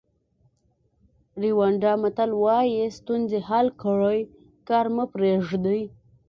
ریوانډا متل وایي ستونزې حل کړئ کار مه پریږدئ.